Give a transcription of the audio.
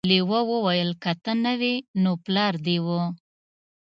لیوه وویل که ته نه وې نو پلار دې و.